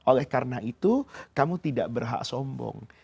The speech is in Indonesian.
oleh karena itu kamu tidak berhak sombong